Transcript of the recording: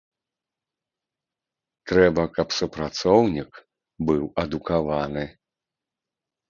Трэба, каб супрацоўнік быў адукаваны.